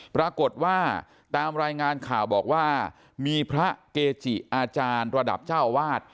ปรากฏว่าตามรายงานข่าวบอกว่ามีพระเกจิอาจารย์ระดับเจ้าอาวาส